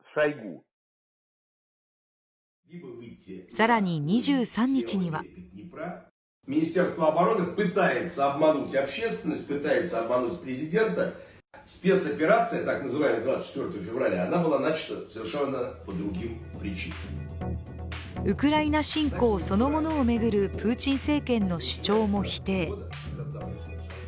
更に２３日にはウクライナ侵攻そのものを巡るプーチン政権の主張も否定。